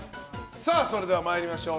それでは参りましょう。